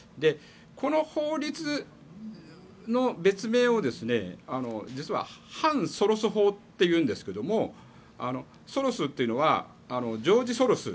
この法律の別名を実は反ソロス法というんですがソロスというのはジョージ・ソロス。